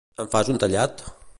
Em fas un tallat?